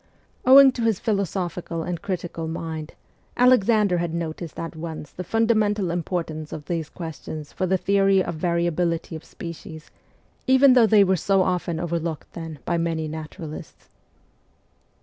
Owing to his philo sophical and critical mind, Alexander had noticed at once the fundamental importance of these ques tions for the theory of variability of species, even THE CORPS OF PAGES 115 though they were so often overlooked then by many naturalists.